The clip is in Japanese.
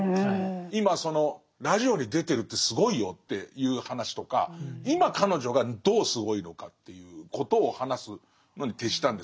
今そのラジオに出てるってすごいよっていう話とか今彼女がどうすごいのかっていうことを話すのに徹したんですけど